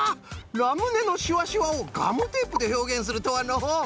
ラムネのシュワシュワをガムテープでひょうげんするとはのう。